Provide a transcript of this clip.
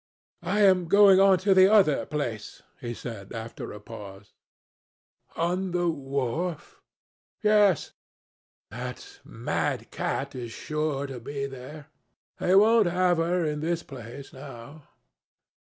"I am going on to the other place," he said after a pause. "On the wharf?" "Yes." "That mad cat is sure to be there. They won't have her in this place now."